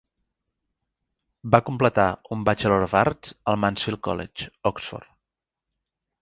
Va completar un Bachelor of Arts al Mansfield College, Oxford.